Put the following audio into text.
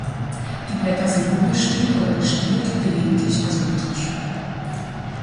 Die Blätter sind ungestielt oder gestielt, gelegentlich asymmetrisch.